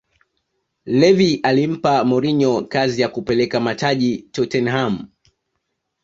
levvy alimpa mourinho kazi ya kupeleka mataji tottenham